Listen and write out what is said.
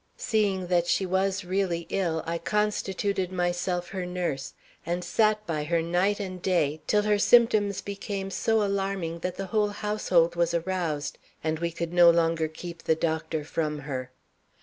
Seeing that she was really ill, I constituted myself her nurse, and sat by her night and day till her symptoms became so alarming that the whole household was aroused and we could no longer keep the doctor from her.